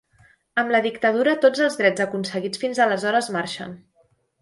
Amb la dictadura tots els drets aconseguits fins aleshores marxen.